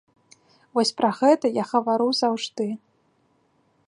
Вось пра гэта я гавару заўжды.